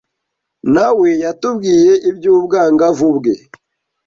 Na we yatubwiye iby’ubwangavu bwe